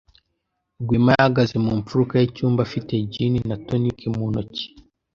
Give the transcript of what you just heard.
Rwema yahagaze mu mfuruka yicyumba afite gin na tonic mu ntoki.